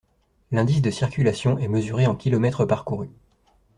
L’indice de circulation est mesuré en kilomètres parcourus.